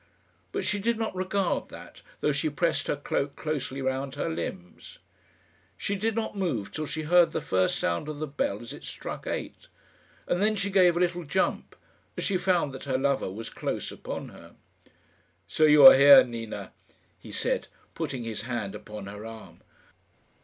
But she did not regard that, though she pressed her cloak closely round her limbs. She did not move till she heard the first sound of the bell as it struck eight, and then she gave a little jump as she found that her lover was close upon her. "So you are here, Nina," he said, putting his hand upon her arm.